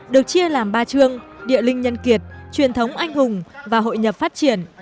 được chia làm ba trường địa linh nhân kiệt truyền thống anh hùng và hội nhập phát triển